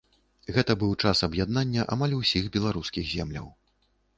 Гэта быў час аб'яднання амаль усіх беларускіх земляў.